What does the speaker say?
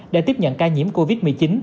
để tiếp nhận ca nhiễm covid một mươi chín